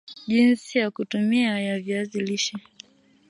jinsi ya kutumia ya Viazi lishe